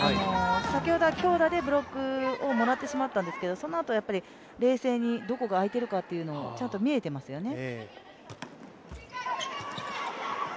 先ほどは強打でブロックをもらってしまったんですけれどもそのあと、冷静にどこがあいてるかというのをちゃんと見えていますよね。